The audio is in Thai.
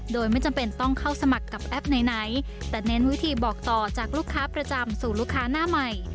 โดยไม่จำเป็นต้องเข้าสมัครกับแอปไหนแต่เน้นวิธีบอกต่อจากลูกค้าประจำสู่ลูกค้าหน้าใหม่